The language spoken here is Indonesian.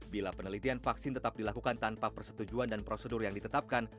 bila penelitian vaksin tetap dilakukan tanpa persetujuan dan prosedur yang ditetapkan